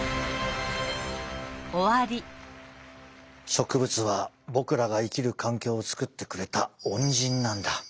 植物は僕らが生きる環境を作ってくれた恩人なんだ。